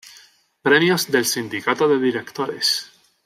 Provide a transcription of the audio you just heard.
Premios del Sindicato de Directores